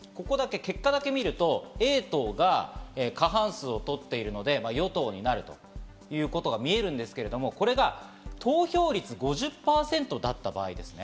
結果だけ見ると、Ａ党が過半数を取っているので与党になるということが見えるんですが、これが投票率５０％だった場合ですね。